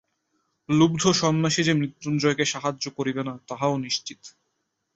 লুব্ধ সন্ন্যাসী যে মৃত্যুঞ্জয়কে সাহায্য করিবে না তাহাও নিশ্চিত।